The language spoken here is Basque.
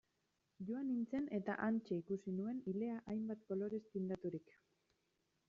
Joan nintzen eta hantxe ikusi nuen ilea hainbat kolorez tindaturik...